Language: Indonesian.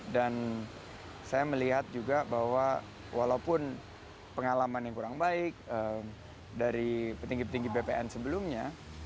dan saya melihat juga bahwa walaupun pengalaman yang kurang baik dari petinggi petinggi bpn sebelumnya